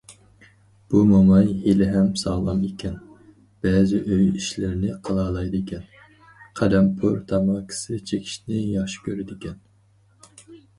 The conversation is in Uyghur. بۇ موماي ھېلىھەم ساغلام ئىكەن، بەزى ئۆي ئىشلىرىنى قىلالايدىكەن، قەلەمپۇر تاماكىسى چېكىشنى ياخشى كۆرىدىكەن.